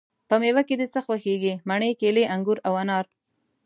په میوه کی د څه خوښیږی؟ مڼې، کیلې، انګور او انار